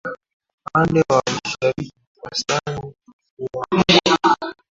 Upande wa Mashariki wastani wa mvua kwa mwaka